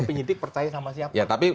penyitik percaya sama siapa